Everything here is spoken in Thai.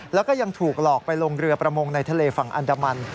แล้วก็ยังถูกหลอกไปลงเรือประมงในทะเลฝั่งอันดามัน